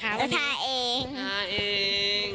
ทาน่าเอง